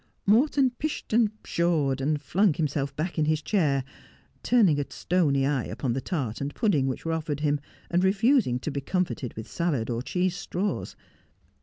Morton pished and pshawed, and flung himself back in his chair, turning a stony eye upon the tart and pudding which were offered him, and refusing to be comforted with salad or cheese straws.